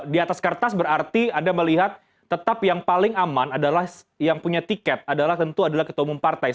di atas kertas berarti anda melihat tetap yang paling aman adalah yang punya tiket adalah tentu adalah ketua umum partai